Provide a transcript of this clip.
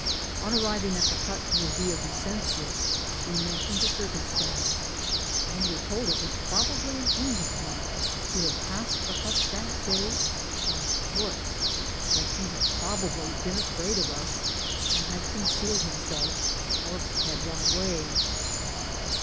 On arriving at the but near Villa Vicencia we mentioned the circumstance, and were told it' was probably an Englishman who bad passed the hut that day on foot !— that be had jNrobably been afraid of us, and bad ccHicealed himself, or had run away.